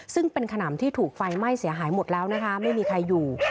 ซึ่งเป็นขนำที่ถูกไฟไหม้เสียหายหมดแล้วนะคะไม่มีใครอยู่